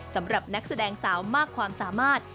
สำหรับนักแสดงสาวมากความสามารถ